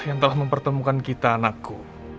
yang telah mempertemukan kita naku